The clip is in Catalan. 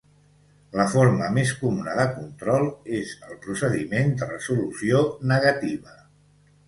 La forma més comuna de control és el procediment de resolució negativa.